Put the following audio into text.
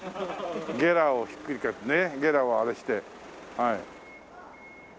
「ゲラ」をひっくり返して「ゲラ」をあれして。